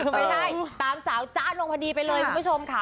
คือไม่ใช่ตามสาวจ๊ะลงพอดีไปเลยคุณผู้ชมค่ะ